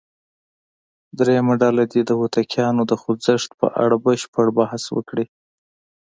درېمه ډله دې د هوتکیانو د خوځښت په اړه بشپړ بحث وکړي.